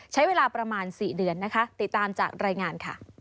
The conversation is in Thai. ใช้เวลาประมาณ๔เดือนติดตามจากรายงาน